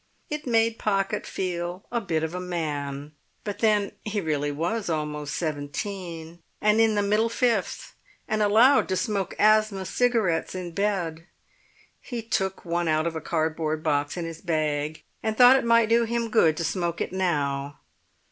It made Pocket feel a bit of a man; but then he really was almost seventeen, and in the Middle Fifth, and allowed to smoke asthma cigarettes in bed. He took one out of a cardboard box in his bag, and thought it might do him good to smoke it now.